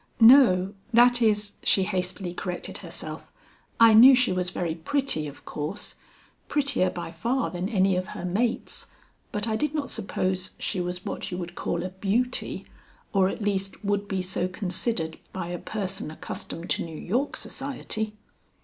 "No, that is," she hastily corrected herself, "I knew she was very pretty of course, prettier by far than any of her mates, but I did not suppose she was what you call a beauty, or at least would be so considered by a person accustomed to New York society."